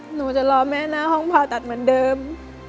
หนูจะรอแม่หน้าห้องผ่าตัดเหมือนเดิม